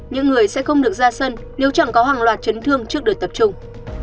những người sẽ không được ra sân nếu chẳng có hàng loạt chấn thương trước đợt tập trung